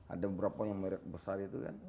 ada beberapa yang besar itu kan